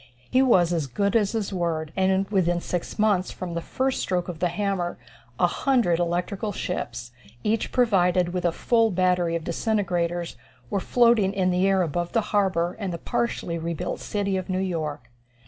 He was as good as his word, and within six months from the first stroke of the hammer, a hundred electrical ships, each provided with a full battery of disintegrators, were floating in the air above the harbor and the partially rebuilt city of New York.